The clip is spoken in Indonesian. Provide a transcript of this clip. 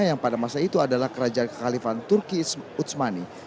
yang pada masa itu adalah kerajaan kekalifan turki utsmani